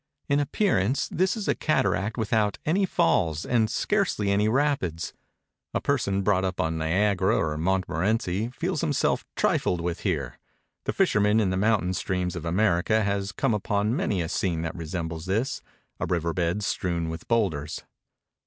In appear ance this is a cataract without any falls and scarcely any rapids, A person brought up on Niagara or Montmo rency feels himself trifled with here. The fisherman in the mountain streams of America has come upon many a scene that resembles this — a river bed strewn with boulders.